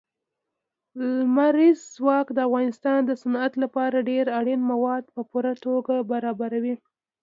لمریز ځواک د افغانستان د صنعت لپاره ډېر اړین مواد په پوره توګه برابروي.